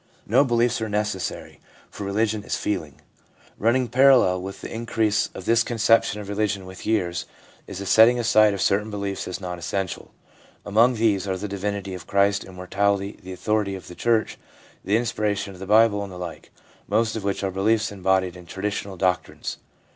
No beliefs are necessary, for religion is feeling.' Running parallel with the in ADULT LIFE— BELIEFS 323 crease of this conception of religion with years is the setting aside of certain beliefs as non essential. Among these are the divinity of Christ, Immortality, the authority of the Church, the inspiration of the Bible, and the like, most of which are beliefs embodied in traditional doc trines.